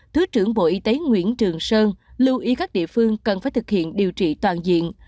thứ trưởng bộ y tế nguyễn trường sơn lưu ý các địa phương cần phải thực hiện điều trị toàn diện